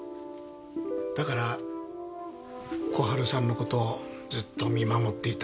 だから小春さんの事をずっと見守っていた。